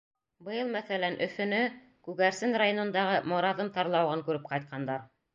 Быйыл, мәҫәлән, Өфөнө, Күгәрсен районындағы Мораҙым тарлауығын күреп ҡайтҡандар.